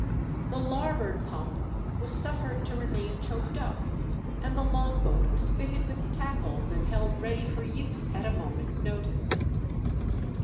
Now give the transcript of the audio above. The larboard pump was suffered to remain choked up, and the long boat was fitted with tackles and held ready for use at a moment's notice.